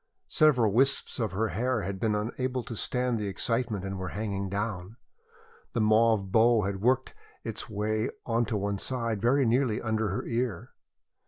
Several wisps of her hair had been unable to stand the excitement and were hanging down. The mauve bow had worked its way on to one side very nearly under her ear.